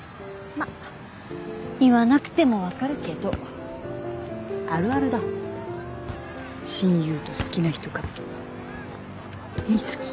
まあ言わなくてもわかるけあるあるだ親友と好きな人かぶり瑞貴？